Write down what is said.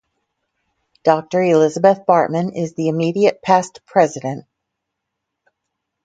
Doctor Elizabeth Bartman is the immediate Past President.